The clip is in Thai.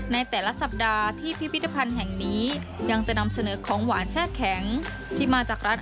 ในแต่ละสัปดาห์ที่พิพิธภัณฑ์แห่งนี้ยังจะนำเสนอของหวานแช่แข็งที่มาจากรัฐ